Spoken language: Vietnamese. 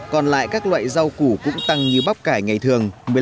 còn lại các loại rau củ cũng tăng như bắp cải ngày thường